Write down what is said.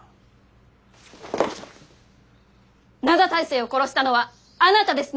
灘大聖を殺したのはあなたですね？